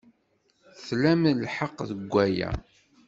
Tlam lḥeqq deg waya.